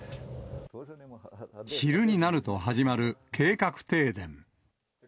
昼になると始まる計画停電。